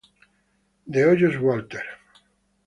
De Hoyos Walther.